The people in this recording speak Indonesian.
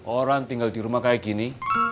orang tinggal di rumah kayak gini